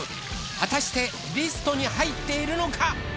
果たしてリストに入っているのか？